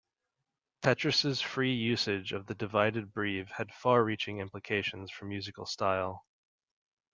Petrus's free usage of the divided breve had far-reaching implications for musical style.